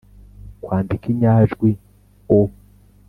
-kwandika inyajwi o,